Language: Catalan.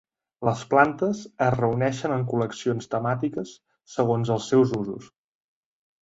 Les plantes es reuneixen en col·leccions temàtiques segons els seus usos.